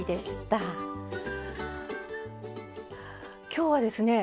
今日はですね